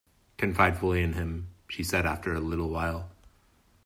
"Confide fully in him," she said after a little while.